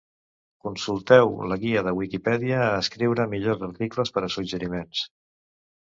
Consulteu la guia de Wikipedia a escriure millors articles per a suggeriments.